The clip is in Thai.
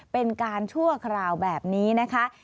เป็นการชั่วคราวแบบนี้นะคะ